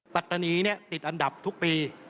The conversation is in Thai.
ปัตตานีติดอันดับทุกปี